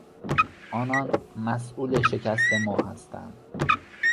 آنان مسئول شکست ما هستند.